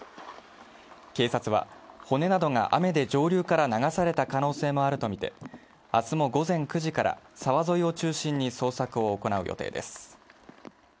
警察は、骨などが雨で上流から流された可能性もあるとみて明日も午前９時から沢沿いを中心に捜索を行う予定です。